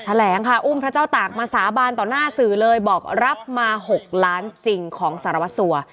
แถลงค่ะอุ้มพระเจ้าตากมาสาบานต่อหน้าสื่อเลยบอกรับมา๖ล้านจริงของสารวัสสัว